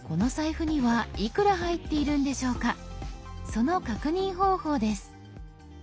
その確認方法です。